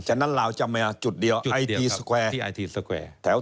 ฉะนั้นลาวจำไหมจุดเดียวไอทีสเกวร์